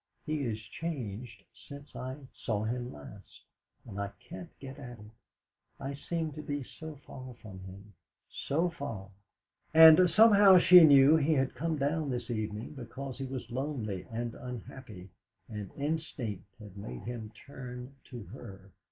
'He is changed since I saw him last, and I can't get at it. I seem to be so far from him so far!' And somehow she knew he had come down this evening because he was lonely and unhappy, and instinct had made him turn to her.